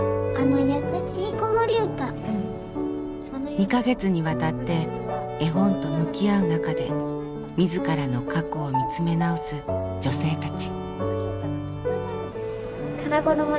２か月にわたって絵本と向き合う中で自らの過去を見つめ直す女性たち。